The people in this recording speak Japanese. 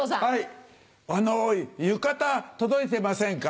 あの浴衣届いてませんか？